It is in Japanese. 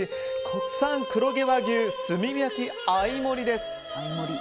国産黒毛和牛炭火焼合盛りです。